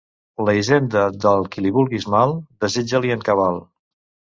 La hisenda del qui li vulguis mal, desitja-l'hi en cabal.